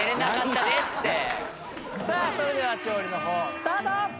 さあそれでは調理の方スタート！